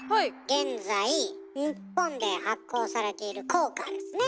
現在日本で発行されている硬貨ですね。